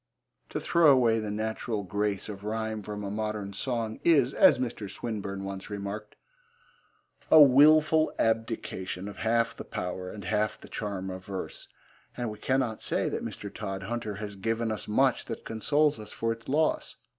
To throw away the natural grace of rhyme from a modern song is, as Mr. Swinburne once remarked, a wilful abdication of half the power and half the charm of verse, and we cannot say that Mr. Todhunter has given us much that consoles us for its loss.